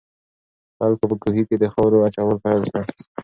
خلکو په کوهي کې د خاورو اچول پیل کړل.